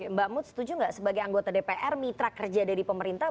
mbak mood setuju nggak sebagai anggota dpr mitra kerja dari pemerintah